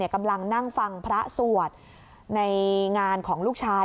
กำลังนั่งฟังพระสวดในงานของลูกชาย